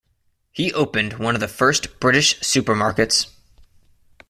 He opened one of the first British supermarkets.